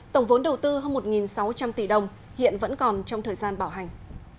tổng vốn đầu tư hơn một sáu trăm linh tỷ đồng hiện vẫn còn trong thời gian bảo hành